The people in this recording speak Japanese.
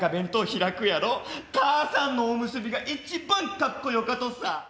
母さんのおむすびが一番かっこ良かとさ。